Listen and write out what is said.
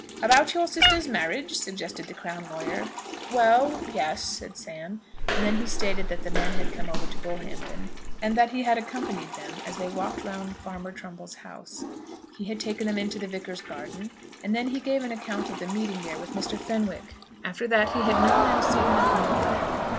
"About your sister's marriage?" suggested the crown lawyer. "Well, yes," said Sam. And then he stated that the men had come over to Bullhampton and that he had accompanied them as they walked round Farmer Trumbull's house. He had taken them into the Vicar's garden; and then he gave an account of the meeting there with Mr. Fenwick. After that he had known and seen nothing of the men.